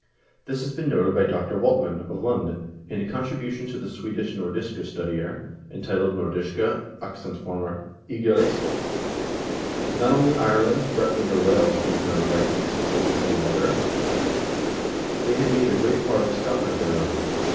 This has been noted by Dr. Waltman, of Lund, in a contri bution to the Swedish "Nordiska Studier" entitled " Nordiska aksentformer i Galiska." : "Not only Ireland, Bretland, or Wales came to know the Vikings," says the same author; "they had made a great part of Scotland their own."